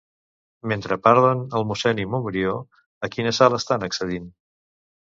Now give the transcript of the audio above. Mentre parlen el mossèn i Montbrió, a quina sala estan accedint?